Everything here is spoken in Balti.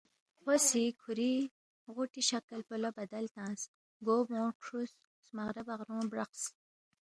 کھو سی کھُوری غُوٹی شکل پو لہ بدل تنگس، گو بونگ کھرُوس، سمغرا بغرونگ برَقس